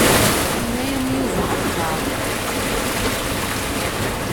Yenna-yam Yuba ayɣer?